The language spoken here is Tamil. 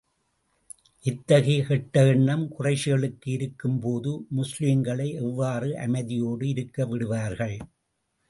இத்தகைய கெட்ட எண்ணம் குறைஷிகளுக்கு இருக்கும் போது, முஸ்லிம்களை எவ்வாறு அமைதியோடு இருக்க விடுவார்கள்?